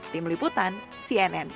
tim liputan sien